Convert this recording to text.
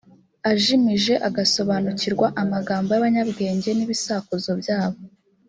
ajimije agasobanukirwa amagambo y abanyabwenge n ibisakuzo byabo